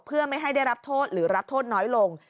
เพื่อไม่ให้ได้รับโทษหรือรับโทษน้อยลง